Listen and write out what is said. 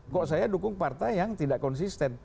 kok saya dukung partai yang tidak konsisten